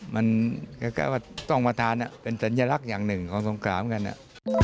มันคล้ายว่าต้องมาทานเป็นสัญลักษณ์อย่างหนึ่งของสงครามกัน